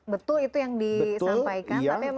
betul itu yang disampaikan